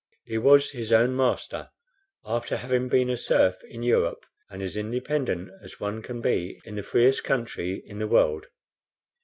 He was his own master, after having been a serf in Europe, and as independent as one can be in the freest country in the world.